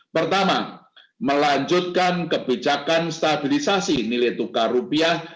pertama melanjutkan kebijakan stabilisasi nilai tukar rupiah